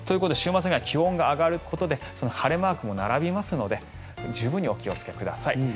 週末には気温が上がることで晴れマークも並びますので十分にお気をつけください。